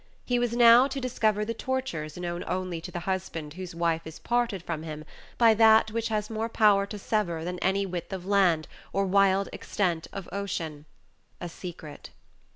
He was now to discover the tortures known only to the husband whose wife is parted from him by that which has more power to sever than any width of land or wild extent of ocean a secret.